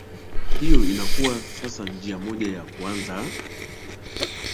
hiyo inakuwa sasa njia moja ya kuanza aaa